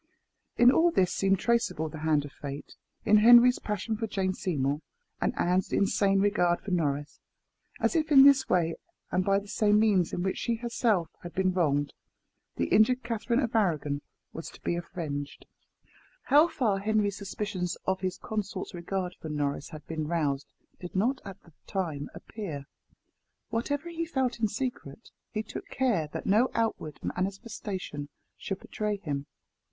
In all this seemed traceable the hand of fate in Henry's passion for Jane Seymour, and Anne's insane regard for Norris as if in this way, and by the same means in which she herself had been wronged, the injured Catherine of Arragon was to be avenged. How far Henry's suspicions of his consort's regard for Norris had been roused did not at the time appear. Whatever he felt in secret, he took care that no outward manifestation should betray him.